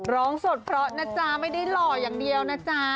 ร้องสดเพราะนะจ๊ะไม่ได้หล่ออย่างเดียวนะจ๊ะ